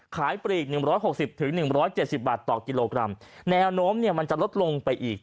ปลีก๑๖๐๑๗๐บาทต่อกิโลกรัมแนวโน้มเนี่ยมันจะลดลงไปอีก